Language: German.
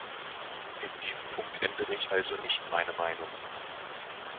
In diesem Punkt ändere ich also nicht meine Meinung.